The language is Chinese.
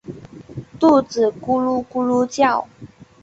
肚子咕噜咕噜叫